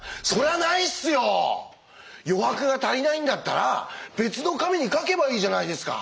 余白が足りないんだったら別の紙に書けばいいじゃないですか。